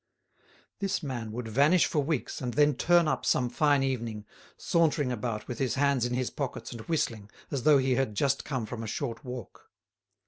This man would vanish for weeks and then turn up some fine evening, sauntering about with his hands in his pockets and whistling as though he had just come from a short walk.